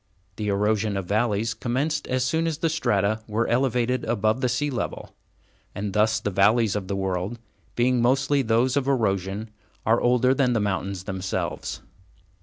The erosion of valleys commenced as soon as the strata were elevated above the sea level, and thus the valleys of the world, being mostly those of erosion, are older than the mountains themselves.